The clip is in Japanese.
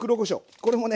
これもね